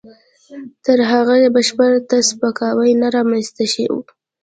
تر هغه چې بشر ته سپکاوی نه رامنځته شي.